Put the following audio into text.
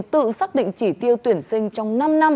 tự xác định chỉ tiêu tuyển sinh trong năm năm